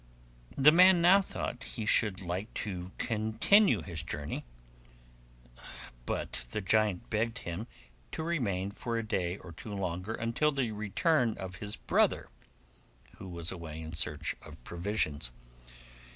The man now thought he should like to continue his journey, but the giant begged him to remain for a day or two longer until the return of his brother, who was away in search of provisions.